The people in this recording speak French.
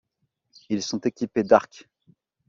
Ils sont équipés d'arcs.